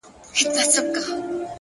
نیکي له شهرت پرته هم ځلېږي